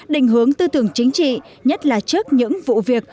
định hướng tư tưởng chính trị nhất là trước những vụ việc